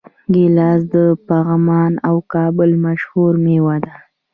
ګیلاس د پغمان او کابل مشهوره میوه ده.